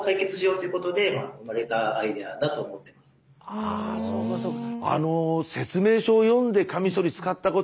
あそうかそうか。